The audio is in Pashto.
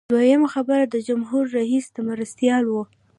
دویم خبر د جمهور رئیس د مرستیال و.